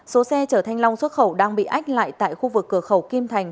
số xe chở thanh long xuất khẩu đang bị ách lại tại khu vực cửa khẩu kim thành